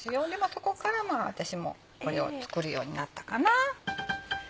そこから私もこれを作るようになったかな。